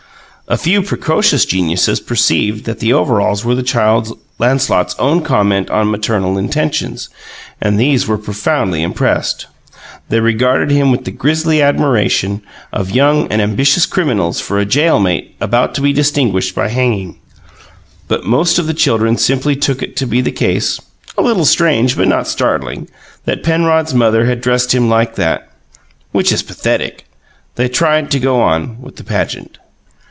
A few precocious geniuses perceived that the overalls were the Child Lancelot's own comment on maternal intentions; and these were profoundly impressed: they regarded him with the grisly admiration of young and ambitious criminals for a jail mate about to be distinguished by hanging. But most of the children simply took it to be the case (a little strange, but not startling) that Penrod's mother had dressed him like that which is pathetic. They tried to go on with the "pageant."